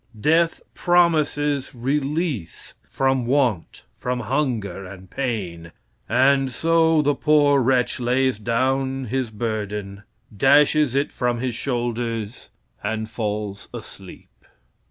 Death promises release from want, from hunger and pain, and so the poor wretch lays down his burden, dashes it from his shoulders and falls asleep.